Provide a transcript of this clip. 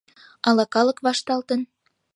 Ала калык вашталтын?